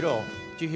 千尋